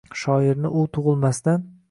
Shoirni u tug’ilmasdan